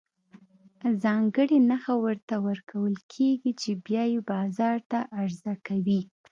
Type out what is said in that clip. ځانګړې نښه ورته ورکول کېږي چې بیا یې بازار ته عرضه کوي.